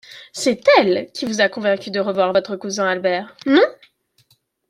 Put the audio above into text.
C’est elle qui vous a convaincu de revoir votre cousin Albert, non ?